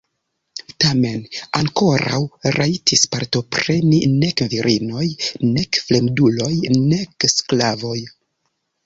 Tamen ankoraŭ rajtis partopreni nek virinoj nek fremduloj nek sklavoj.